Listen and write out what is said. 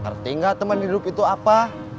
ngerti gak teman hidup itu apa